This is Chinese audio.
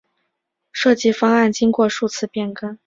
设计方案经过数次变更。